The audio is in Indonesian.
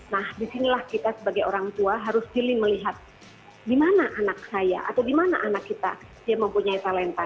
nah disinilah kita sebagai orang tua harus jeli melihat di mana anak saya atau di mana anak kita yang mempunyai talenta